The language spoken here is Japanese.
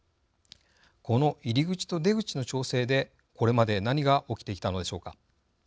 この入り口と出口の調整でこれまで何が起きてきたのでしょうか。